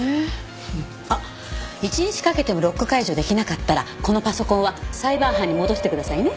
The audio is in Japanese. あっ１日かけてもロック解除出来なかったらこのパソコンはサイバー班に戻してくださいね。